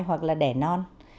hoặc là đẻ non